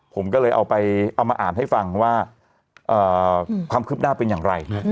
ผมก็เลยเอาไปเอามาอ่านให้ฟังว่าความคืบหน้าเป็นอย่างไร